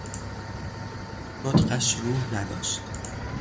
نطقش روح نداشت